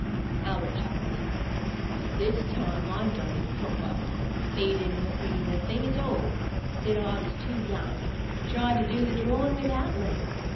Albert chuckled. "But this time I done him proper. 'E didn't want me in the thing at all. Said I was too young. Tried to do the drawin' without me.